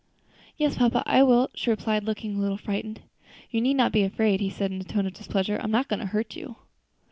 "Yes, papa, I will," she replied, looking a little frightened. "You need not be afraid," he said, in a tone of displeasure; "I am not going to hurt you."